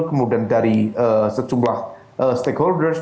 kemudian dari sejumlah stakeholders